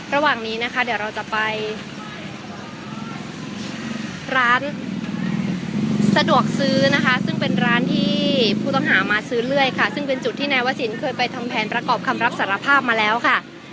ระหว่างนี้นะคะเดี๋ยวเราจะไปร้านสะดวกซื้อนะคะซึ่งเป็นร้านที่ผู้ต้องหามาซื้อเรื่อยค่ะซึ่งเป็นจุดที่นายวศิลป์เคยไปทำแผนประกอบคำรับสารภาพมาแล้วค่ะ